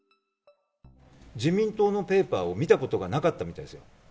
自民党のペーパーを見たことがなかったみたいですよ。